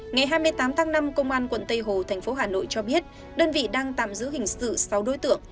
ngày hai mươi tám tháng năm công an quận tây hồ thành phố hà nội cho biết đơn vị đang tạm giữ hình sự sáu đối tượng